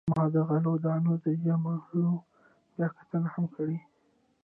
ما د غلو دانو د جملو بیاکتنه هم کړې.